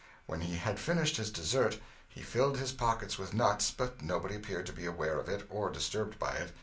When he had finished his dessert, he filled his pockets with nuts; but nobody appeared to be aware of it, or disturbed by it.